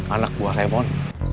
anak buah lemon